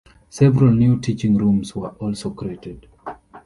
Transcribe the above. Several new teaching rooms were also created.